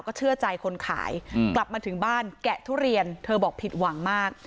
ก็เชื่อใจคนขายกลับมาถึงบ้านแกะทุเรียนเธอบอกผิดหวังมาก